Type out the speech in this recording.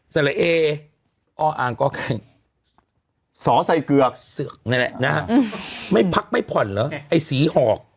เสลอเออ้ออางก็กังสอใส่เกือกไม่พักไม่ผ่อนเหรอไอ้ศรีหอก